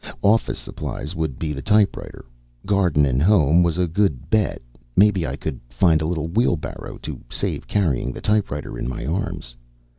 Office Supplies would be the typewriter. Garden & Home was a good bet maybe I could find a little wheelbarrow to save carrying the typewriter in my arms.